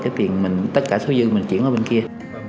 cái tiền mình tất cả số dư mình chuyển ở bên kia